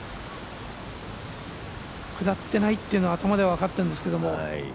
下ってないと頭では分かっているんですけど。